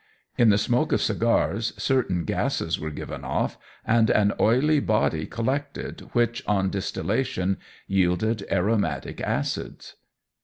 In the smoke of cigars certain gases were given off, and an oily body collected, which, on distillation, yielded aromatic acids.